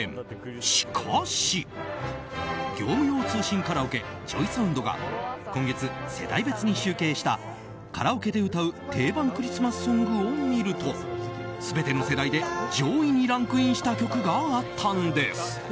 しかし、業務用通信カラオケＪＯＹＳＯＵＮＤが今月、世代別に集計したカラオケで歌う定番クリスマスソングを見ると全ての世代で上位にランクインした曲があったんです。